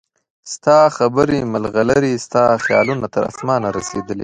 ستا خبرې مرغلرې ستا خیالونه تر اسمانه رسیدلي